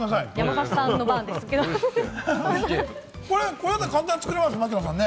これだったら簡単に作れますね、槙野さん。